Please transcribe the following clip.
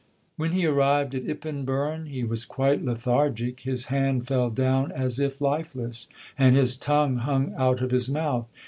"When he arrived at Ippenburen, he was quite lethargic; his hand fell down as if lifeless, and his tongue hung out of his mouth.